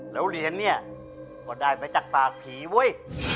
แล้วเหรียญเนี่ยก็ได้ไปจากปากผีเว้ย